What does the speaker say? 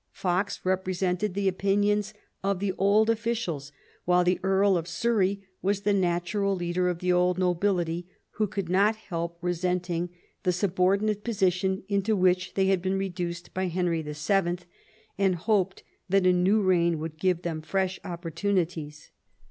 Eox represented the opinions of the old officials, while the Earl of Surrey was the natural leader of the old nobility, who could not help resenting the subordinate position into which they had been re duced by Henry VII., and hoped that a new reign would give them fresh opportunities.